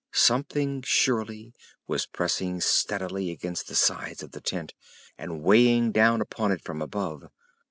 Something surely was pressing steadily against the sides of the tent and weighing down upon it from above.